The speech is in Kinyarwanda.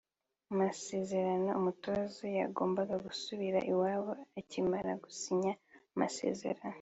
Mu masezerano umutoza yagombaga gusubira iwabo akimara gusinya amasezerano